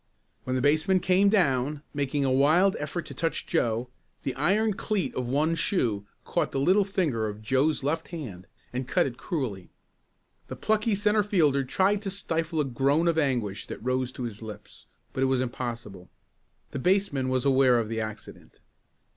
When the baseman came down, making a wild effort to touch Joe, the iron cleat of one shoe caught the little finger of Joe's left hand and cut it cruelly. The plucky centre fielder tried to stifle the groan of anguish that rose to his lips, but it was impossible. The baseman was aware of the accident.